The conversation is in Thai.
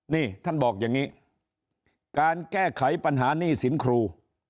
นี่ท่านบอกอย่างนี้การแก้ไขปัญหานี่สินครู